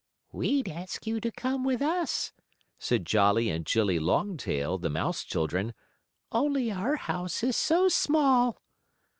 "We'd ask you to come with us," said Jollie and Jillie Longtail, the mouse children, "only our house is so small."